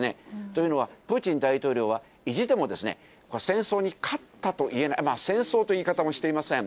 というのは、プーチン大統領は意地でも戦争に勝ったと、戦争という言い方もしていません。